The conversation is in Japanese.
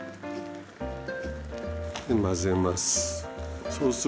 で混ぜます。